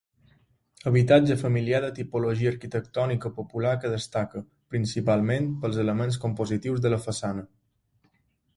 Habitatge familiar de tipologia arquitectònica popular que destaca, principalment, pels elements compositius de la façana.